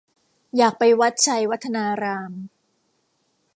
อยากไปวัดไชยวัฒนาราม